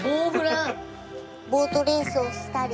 ボートレースをしたり。